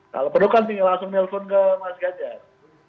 kalau perlu kan tinggal langsung nelfon ke mas ganjar